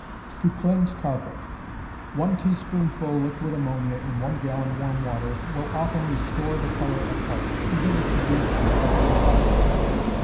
To Cleanse Carpet. 1 teaspoonful liquid ammonia in one gallon warm water, will often restore the color of carpets, even if produced by acid or alkali.